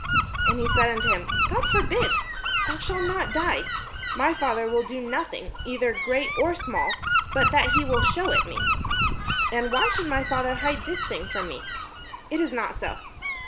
And he said unto him: "God forbid; thou shalt not die; behold, my father will do nothing either great or small, but that he will shew it me: and why should my father hide this thing from me? it is not so."